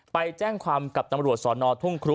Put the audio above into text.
ไปแจ้งความกับตำรวจสอนอทุ่งครู